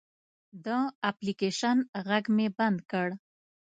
د اپلیکیشن غږ مې بند کړ.